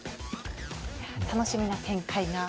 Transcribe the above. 楽しみな展開が。